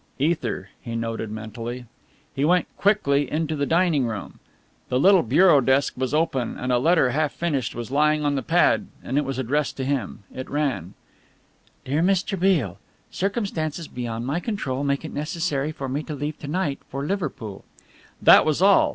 "Ether," he noted mentally. He went quickly into the dining room. The little bureau desk was open and a letter half finished was lying on the pad, and it was addressed to him and ran: "DEAR MR. BEALE, Circumstances beyond my control make it necessary for me to leave to night for Liverpool." That was all.